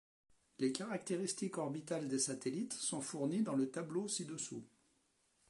Les caractéristiques orbitales des satellites sont fournies dans le tableau ci-dessous.